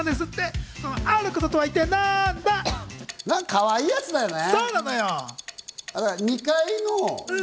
かわいいやつだよね？